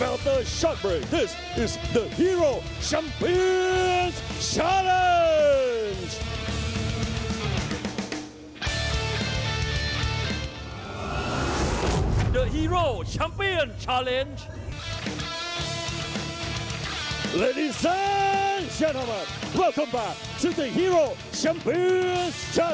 ใครจะเกิดชัมเปญชัมเปญอย่าลืมค้นไปแล้ว